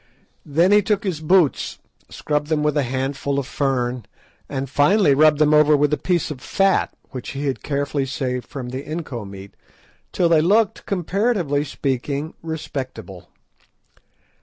Then he took his boots, scrubbed them with a handful of fern, and finally rubbed them over with a piece of fat, which he had carefully saved from the inco meat, till they looked, comparatively speaking, respectable.